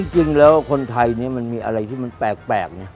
จริงแล้วคนไทยนี่มันมีอะไรที่มันแปลกไง